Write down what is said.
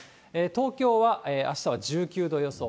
東京はあしたは１９度予想。